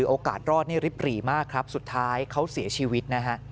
โอกาสรอดริบปรีมากสุดท้ายเขาเสียชีวิต